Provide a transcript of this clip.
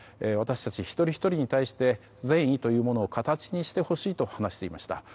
私たち一人ひとりに対して善意というものを形にしてほしいと話していました。